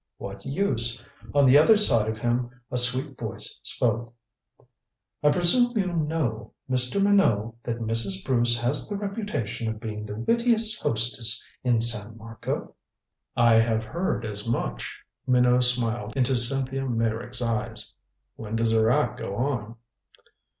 What use? On the other side of him a sweet voice spoke: "I presume you know, Mr. Minot, that Mrs. Bruce has the reputation of being the wittiest hostess in San Marco?" "I have heard as much." Minot smiled into Cynthia Meyrick's eyes. "When does her act go on?"